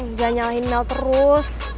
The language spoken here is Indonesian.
jangan nyalahin mel terus